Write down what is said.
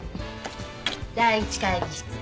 第一会議室。